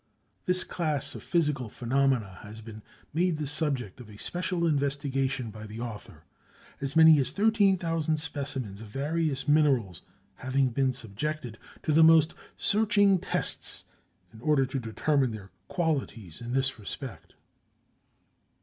This class of physical phenomena has been made the subject of special investigation by the author, as many as 13,000 specimens of various minerals having been subjected to the most searching tests in order to determine their qualities in this respect.